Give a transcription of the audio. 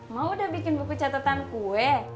mau deh bikin buku catatan kue